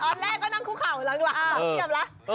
ตอนแรกก็นั่งคู่ข่าวหลังต่อเกียรติแล้ว